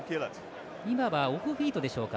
オフフィートでしょうか。